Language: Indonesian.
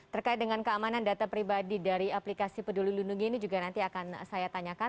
terkait dengan keamanan data pribadi dari aplikasi peduli lindungi ini juga nanti akan saya tanyakan